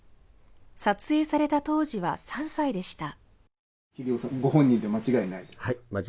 撮影された当時は３歳でした。